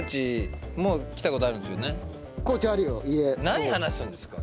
何話すんですか？